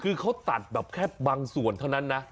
คือเขาตัดแบบแค่บางส่วนเท่านั้นนะ